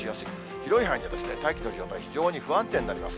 広い範囲で大気の状態、非常に不安定になります。